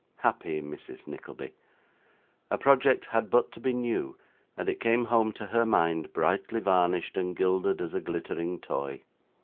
Happy Mrs. Nickleby! A project had but to be new, and it came home to her mind, brightly varnished and gilded as a glittering toy.